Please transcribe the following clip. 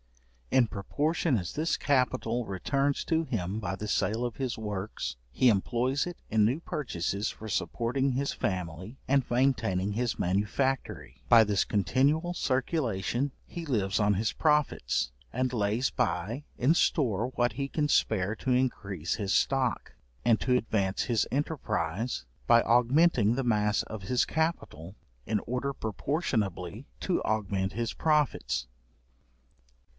In proportion as this capital returns to him by the sale of his works, he employs it in new purchases for supporting his family and maintaining his manufactory; by this continual circulation, he lives on his profits, and lays by in store what he can spare to increase his stock, and to advance his enterprize by augmenting the mass of his capital, in order proportionably to augment his profits.